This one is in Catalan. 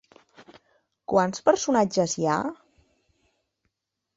Quants personatges hi ha?